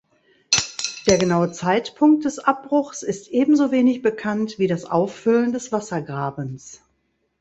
Der genaue Zeitpunkt des Abbruchs ist ebenso wenig bekannt wie das Auffüllen des Wassergrabens.